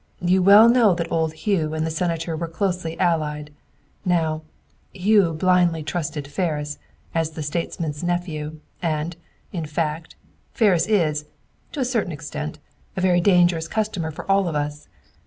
You well know that old Hugh and the Senator were closely allied. Now, Hugh blindly trusted Ferris, as the statesman's nephew, and, in fact, Ferris is, to a certain extent, a very dangerous customer for all of us.